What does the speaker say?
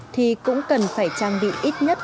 thì cũng cần phải trang bị ít nhất